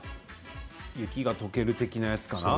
雪がとける的なやつかな？